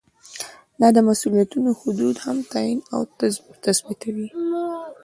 دا د مسؤلیتونو حدود هم تعین او تثبیتوي.